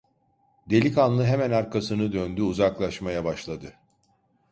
Delikanlı hemen arkasını döndü, uzaklaşmaya başladı.